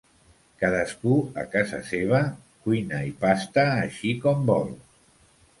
Cadascú, a casa seva, cuina i pasta així com vol.